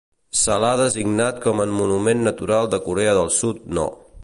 Se l'ha designat com a monument natural de Corea del Sud no.